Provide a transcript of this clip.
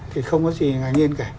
thì không có gì ngạc nhiên cả